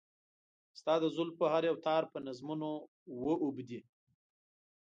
ستا د زلفو هر يو تار په نظمونو و اوبدي .